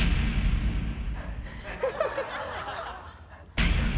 大丈夫。